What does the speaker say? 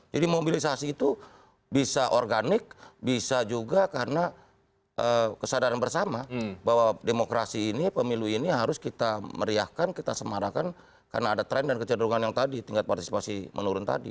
jadi mobilisasi itu bisa organik bisa juga karena kesadaran bersama bahwa demokrasi ini pemilu ini harus kita meriahkan kita semarahkan karena ada tren dan kecederungan yang tadi tingkat partisipasi menurun tadi